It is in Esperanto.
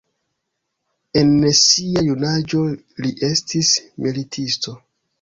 En sia junaĝo li estis militisto.